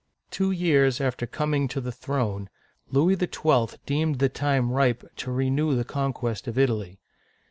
Two years after coming to the throne, Louis XII. deemed the time ripe to renew the conquest of Italy.